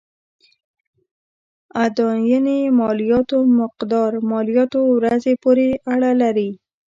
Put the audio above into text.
اداينې مالياتو مقدار مالياتو ورځې پورې اړه لري.